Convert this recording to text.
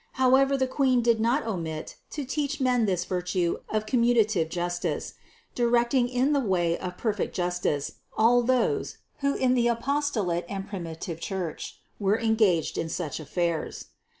However the Queen did not omit to teach men this virtue of commutative justice, directing in the way of perfect justice all those, who in the apostolate and primitive Church were engaged in such affairs.